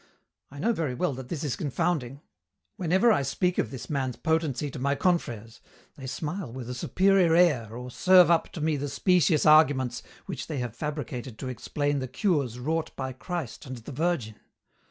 I know very well that this is confounding. Whenever I speak of this man's potency to my confrères they smile with a superior air or serve up to me the specious arguments which they have fabricated to explain the cures wrought by Christ and the Virgin.